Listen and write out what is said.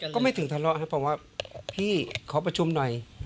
ก็ไม่ถึงทะเลาะครับผมว่าพี่ขอประชุมหน่อย